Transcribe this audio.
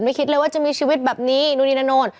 คิดเลยว่าจะมีชีวิตแบบนี้นู่นนี่นั่นนู่น